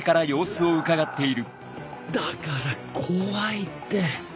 だから怖いって